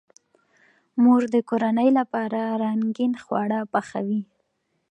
مور د کورنۍ لپاره رنګین خواړه پخوي.